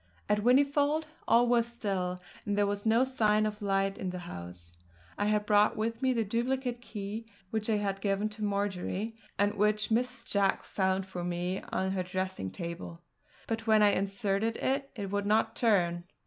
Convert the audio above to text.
At Whinnyfold all was still, and there was no sign of light in the house. I had brought with me the duplicate key which I had given to Marjory, and which Mrs. Jack found for me on her dressing table; but when I inserted it, it would not turn.